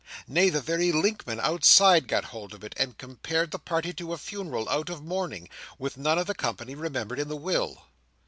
Nay, the very linkmen outside got hold of it, and compared the party to a funeral out of mourning, with none of the company remembered in the will.